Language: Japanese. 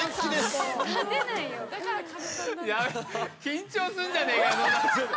緊張すんじゃねえかよ。